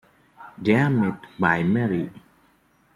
They are met by Mary.